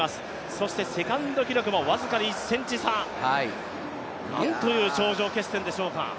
そしてセカンド記録も僅かに１ｃｍ差なんという頂上決戦でしょうか。